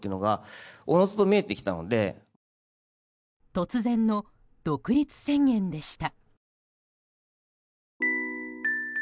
突然の独立宣言でした。